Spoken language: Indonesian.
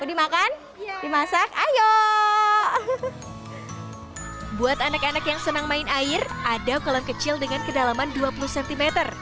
mali makan dimasak ayo buat anak anak yang senang main air adap kalau kecil dengan kedalaman dua puluh cm